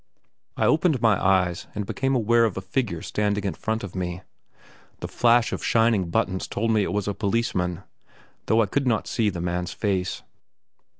I opened my eyes, and became aware of a figure standing in front of me. The flash of shining buttons told me it was a policeman, though I could not see the man's face.